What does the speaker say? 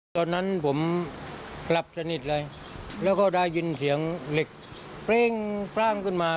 ตอนนั้นผมหลับสนิทเลยแล้วก็ได้ยินเสียงเหล็กเปร้งปร่างขึ้นมา